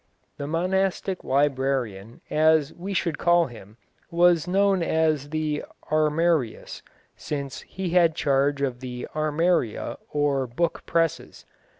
The monastic librarian, as we should call him, was known as the armarius, since he had charge of the armaria or book presses.